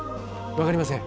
分かりません。